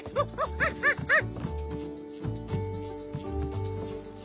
ハハハッ。